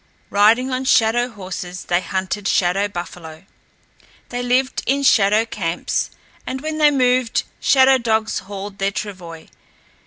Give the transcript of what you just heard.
Riding on shadow horses they hunted shadow buffalo. They lived in shadow camps and when they moved shadow dogs hauled their travois.